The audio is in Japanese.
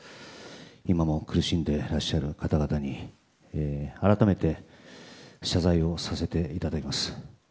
今も苦しんでいらっしゃる方々に改めて謝罪をさせていただきます。